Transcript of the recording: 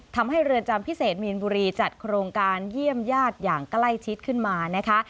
ทำให้เรือนจำพิเศษมีนบุรีจัดโครงการเยี่ยมญาติอย่างใกล้ชิดขึ้นมานะคะ